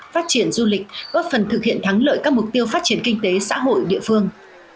phát triển du lịch góp phần thực hiện thắng lợi các mục tiêu phát triển kinh tế xã hội địa phương